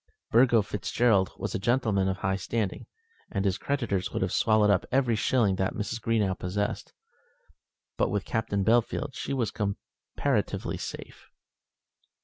Burgo Fitzgerald was a gentleman of high standing, and his creditors would have swallowed up every shilling that Mrs. Greenow possessed; but with Captain Bellfield she was comparatively safe.